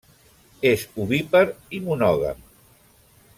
És ovípar i monògam.